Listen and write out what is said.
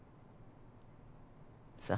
さあ。